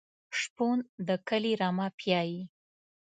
شپون د کلي رمه پیایي.